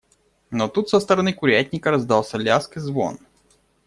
Но тут со стороны курятника раздался лязг и звон.